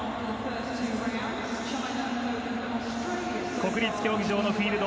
国立競技場のフィールド